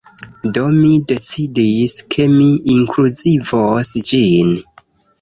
Do, mi decidis, ke mi inkluzivos ĝin